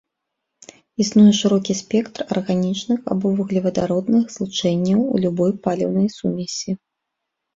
Існуе шырокі спектр арганічных або вуглевадародных злучэнняў у любой паліўнай сумесі.